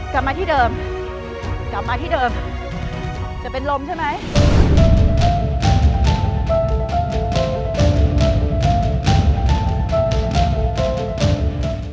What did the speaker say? กลับมาที่เดิมกลับมาที่เดิมจะเป็นลมใช่ไหม